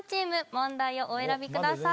問題をお選びください